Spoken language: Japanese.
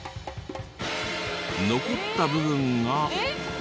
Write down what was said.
残った部分が。